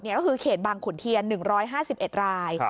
ก็คือเขตบางขุนเทียน๑๕๑ราย